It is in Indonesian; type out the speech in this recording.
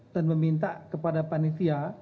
dan meminta kepada panitia